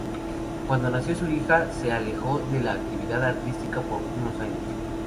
Cuando nació su hija se alejó de la actividad artística por unos años.